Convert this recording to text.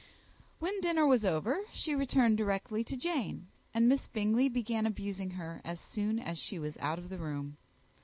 When dinner was over, she returned directly to Jane, and Miss Bingley began abusing her as soon as she was out of the room.